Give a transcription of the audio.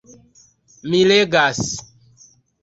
Mi legas.